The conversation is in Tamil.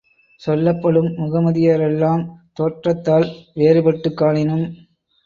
சொல்லப்படும் முகமதியரெல்லாம் தோற்றத்தால் வேறுபட்டுக் காணினும்